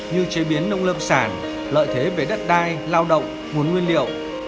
như chế biến nông lâm sản lợi thế về đất đai lao động nguồn nguyên liệu